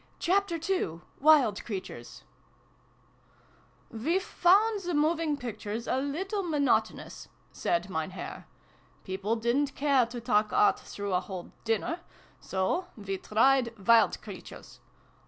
Chapter Two ! Wild Creatures !"" We found the Moving Pictures a little monotonous," said Mein Herr. " People didn't care to talk Art through a whole dinner ; so we tried Wild Creatures.